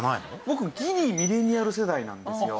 僕ギリミレニアル世代なんですよ。